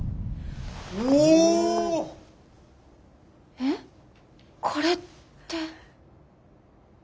えっこれって？